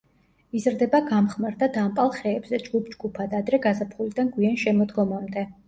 იზრდება გამხმარ და დამპალ ხეებზე ჯგუფ-ჯგუფად ადრე გაზაფხულიდან გვიან შემოდგომამდე.